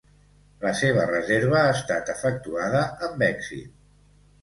La seva reserva ha estat efectuada amb èxit.